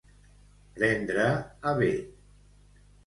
Prendre a bé.